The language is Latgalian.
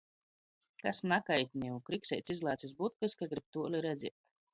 Kas nakait niu! Krikseits izlāc iz butkys, ka gryb tuoli redzēt.